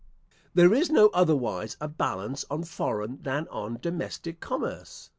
There is no otherwise a balance on foreign than on domestic commerce.